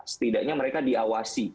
setidaknya mereka diawasi